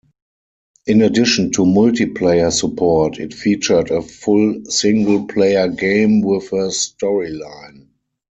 In addition to multiplayer support, it featured a full single-player game with a storyline.